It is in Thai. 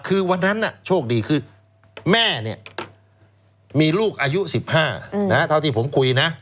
คือวันนั้นโชคดีคือแม่เนี่ยมีลูกอายุ๑๕เท่าที่ผมคุยนะ